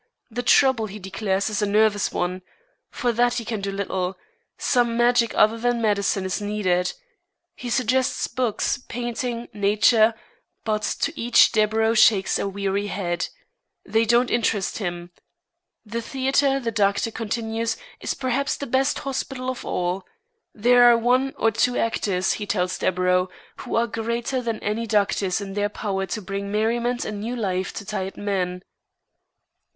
The trouble, he declares, is a nervous one. For that he can do little. Some magic other than medicine is needed. He suggests books, painting, nature, but to each Deburau shakes a weary head. They don't interest him. The theater, the doctor continues, is perhaps the best hospital of all. There are one or two actors, he tells Deburau, who are greater than any doctors in their power to bring merriment and new life to tired men.